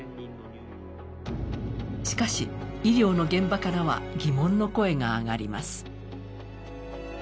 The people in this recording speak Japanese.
しかし医療の現場からは疑問の声が上がります。